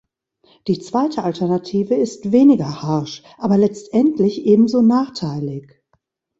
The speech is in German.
Die zweite Alternative ist weniger harsch, aber letztendlich ebenso nachteilig.